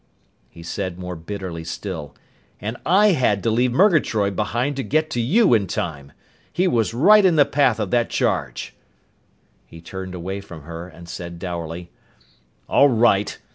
He said more bitterly still, "And I had to leave Murgatroyd behind to get to you in time! He was right in the path of that charge!" He turned away from her and said dourly, "All right!